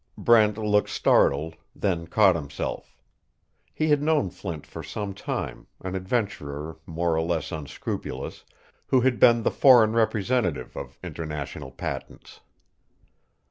Brent looked startled, then caught himself. He had known Flint for some time an adventurer, more or less unscrupulous, who had been the foreign representative of International Patents.